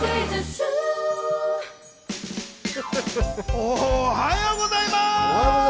おはようございます！